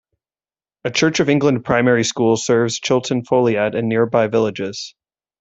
A Church of England primary school serves Chilton Foliat and nearby villages.